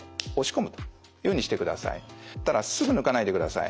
ただすぐ抜かないでください。